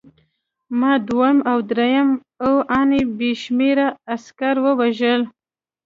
ما دویم او درېیم او ان بې شمېره عسکر ووژل